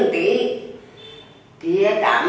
chị nấu chị thưởng thị